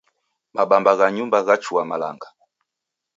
Mabamba gha nyumba ghachua malanga.